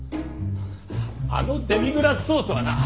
あのデミグラスソースはな